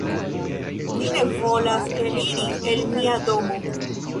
"Ni ne volas eliri el nia domo."